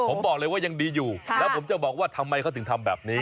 ผมบอกเลยว่ายังดีอยู่แล้วผมจะบอกว่าทำไมเขาถึงทำแบบนี้